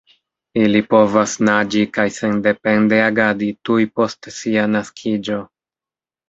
Ili povas naĝi kaj sendepende agadi tuj post sia naskiĝo.